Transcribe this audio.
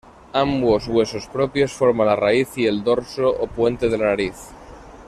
Ambos huesos propios forman la raíz y el dorso o puente de la nariz.